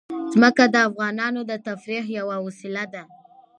ځمکه د افغانانو د تفریح یوه وسیله ده.